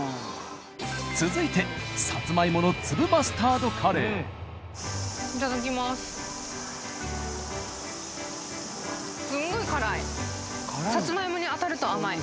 続いてさつまいもの粒マスタードカレーいただきます